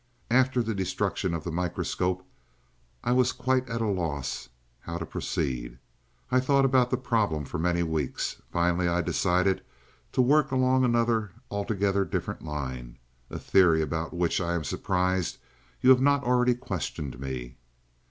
"After the destruction of the microscope, I was quite at a loss how to proceed. I thought about the problem for many weeks. Finally I decided to work along another altogether different line a theory about which I am surprised you have not already questioned me."